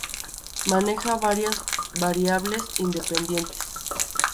Maneja varias variables independientes.